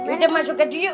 udah masuk ke tu yuk